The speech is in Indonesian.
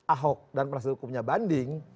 ahok dan prasidukupnya banding